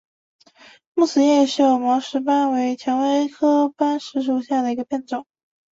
木齿叶锈毛石斑为蔷薇科石斑木属下的一个变种。